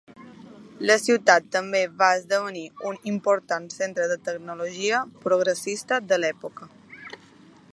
La ciutat també va esdevenir un important centre de tecnologia progressista de l'època.